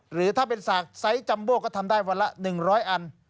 หรือถ้าเป็นสากไซส์จัมโบก็ทำได้วันละ๑๐๐อัน